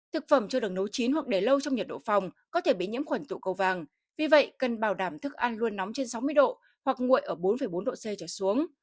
thực phẩm chưa được nấu chín hoặc để lâu trong nhiệt độ phòng có thể bị nhiễm khuẩn tụ cầu vàng vì vậy cần bảo đảm thức ăn luôn nóng trên sáu mươi độ hoặc nguội ở bốn bốn độ c trở xuống